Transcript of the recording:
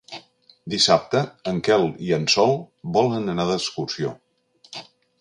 Dissabte en Quel i en Sol volen anar d'excursió.